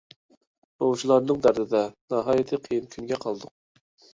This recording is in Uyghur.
ئوۋچىلارنىڭ دەردىدە ناھايىتى قىيىن كۈنگە قالدۇق.